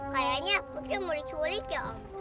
kayaknya putri mau diculik ya om